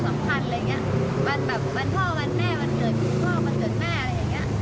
เพราะว่าเฉพาะวันสำคัญวันพ่อวันแม่วันเกิดวันเกิดพ่อวันเกิดแม่